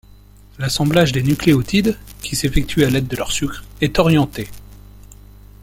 L'assemblage des nucléotides, qui s'effectue à l'aide de leur sucre, est orienté.